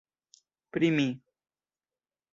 Pri mi!